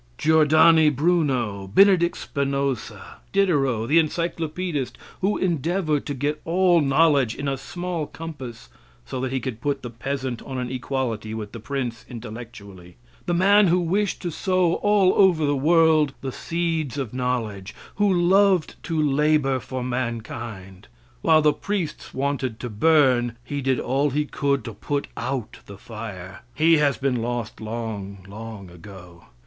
Geordani Bruno, Benedict Spinoza, Diderot, the encyclopedist, who endeavored to get all knowledge in a small compass so that he could put the peasant on an equality with the prince intellectually; the man who wished to sow all over the world the seeds of knowledge; who loved to labor for mankind. While the priests wanted to burn, he did all he could to put out the fire he has been lost long, long ago.